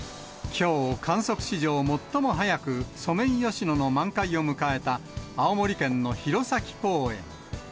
きょう、観測史上最も早く、ソメイヨシノの満開を迎えた、青森県の弘前公園。